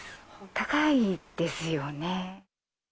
高いですよね。